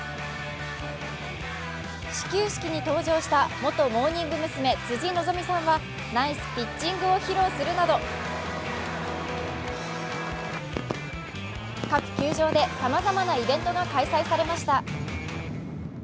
始球式に登場した元モーニング娘辻希美さんはナイスピッチングを披露するなど各球場でさまざまなイベントが開催されました。